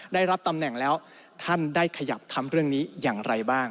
ได้รับตำแหน่งแล้วท่านได้ขยับทำเรื่องนี้อย่างไรบ้าง